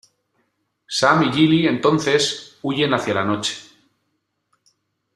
Sam y Gilly entonces huyen hacia la noche.